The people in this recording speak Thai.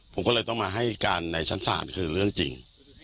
ผมก็เลยต้องมาให้การในชั้นศาลคือเรื่องจริง